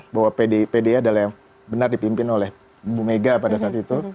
bahwa pdi adalah yang benar dipimpin oleh bu mega pada saat itu